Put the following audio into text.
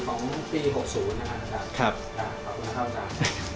ครับครับขอบคุณครับอาจารย์